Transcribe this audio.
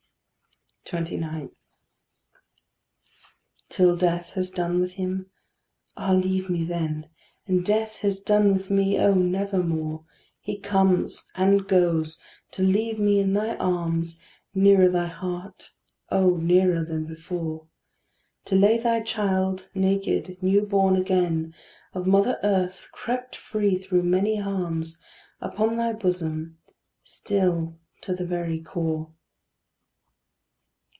29. Till Death has done with him? Ah, leave me then! And Death has done with me, oh, nevermore! He comes and goes to leave me in thy arms, Nearer thy heart, oh, nearer than before! To lay thy child, naked, new born again Of mother earth, crept free through many harms, Upon thy bosom still to the very core.